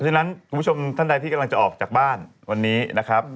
ฉะนั้นคุณผู้ชมท่านใดที่กำลังจะออกจากบ้านวันนี้นะครับ